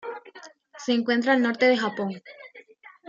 Se encuentra al norte de Japón.